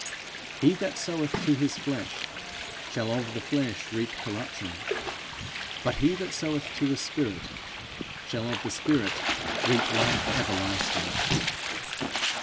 'He that soweth to his flesh, shall of the flesh reap corruption; but he that soweth to the spirit, shall of the spirit reap life everlasting.'